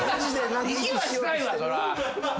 息はしたいわそら。